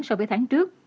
so với tháng trước